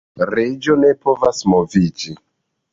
Reĝo ne povas moviĝi.